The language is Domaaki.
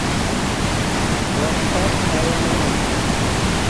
وقت تس آوہ نا